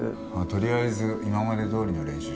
とりあえず今までどおりの練習して。